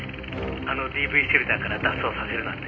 あのＤＶシェルターから脱走させるなんて。